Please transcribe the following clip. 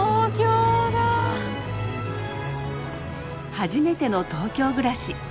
初めての東京暮らし。